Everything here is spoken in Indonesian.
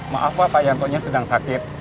maaf pak yantonya sedang sakit